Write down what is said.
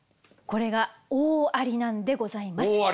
これが大ありなんでございます。